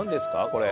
これ。